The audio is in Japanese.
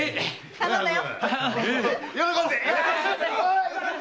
頼んだよ。